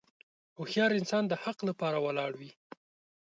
هوښیار انسان د حق لپاره ولاړ وي.